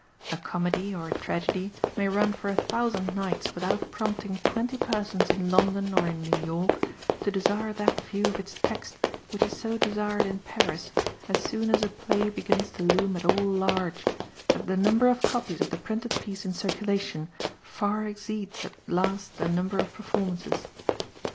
A comedy or a tragedy may run for a thousand nights without prompting twenty persons in London or in New York to desire that view of its text which is so desired in Paris, as soon as a play begins to loom at all large, that the number of copies of the printed piece in circulation far exceeds at last the number of performances.